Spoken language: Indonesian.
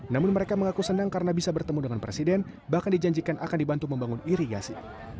namun mereka mengaku senang karena bisa bertemu dengan presiden bahkan dijanjikan akan dibantu membangun irigasi